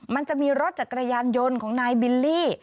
มันจะมีรถจักรยานยนต์ของนายบิลลี่